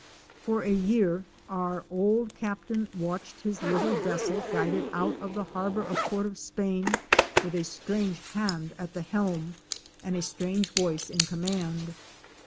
For a year our old Captain watched his little vessel guided out of the harbor of Port of Spain, with a strange hand at the helm, and a strange voice in command.